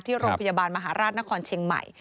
ที่โรงพยาบาลมหาราชนครเชียงใหม่